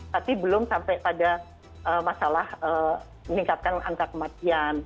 tapi belum sampai pada masalah meningkatkan angka kematian